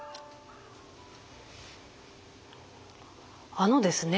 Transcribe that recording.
あのですね